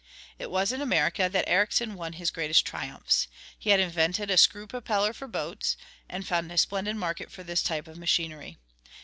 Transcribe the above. It was in America that Ericsson won his greatest triumphs. He had invented a screw propeller for boats, and found a splendid market for this type of machinery.